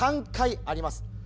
３回あります。